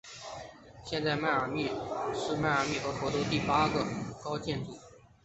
现在迈阿密塔是迈阿密和佛罗里达州第八高的建筑。